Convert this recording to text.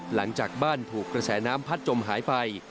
หลังจากบ้านถูกกระแสน้ำพัดจมหายไป